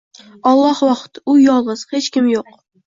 Olloh Vohid. U yolg‘iz: Hech kimi yo‘q.